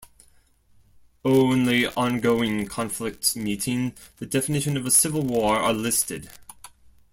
Only ongoing conflicts meeting the definition of a civil war are listed.